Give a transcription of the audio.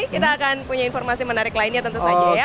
kita akan punya informasi menarik lainnya tentu saja ya